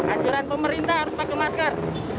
aturan pemerintah harus pakai masker